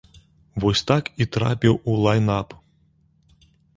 Вось так і трапіў у лайн-ап.